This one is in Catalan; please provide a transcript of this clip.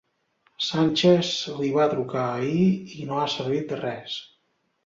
Sánchez li va trucar ahir i no ha servit de res.